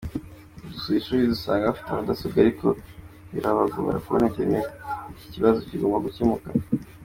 Dusuye ishuri dusanga bafite mudasobwa ariko birabagora kubona internet, iki kibazo kigomba gucyemuka.